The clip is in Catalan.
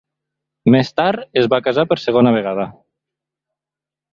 Més tard es va casar per segona vegada.